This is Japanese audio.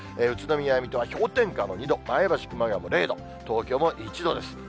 宇都宮、水戸は氷点下の２度、前橋、熊谷も０度、東京も１度です。